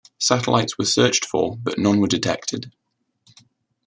Satellites were searched for but none were detected.